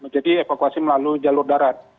jadi evakuasi melalui jalur darat